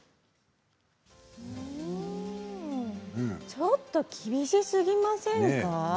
ちょっと厳しすぎませんか？